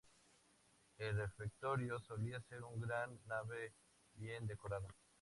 El refectorio solía ser una gran nave bien decorada.